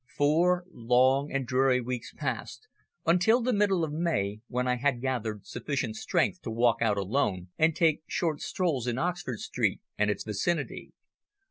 Four long and dreary weeks passed, until the middle of May, when I had gathered sufficient strength to walk out alone, and take short strolls in Oxford Street and its vicinity.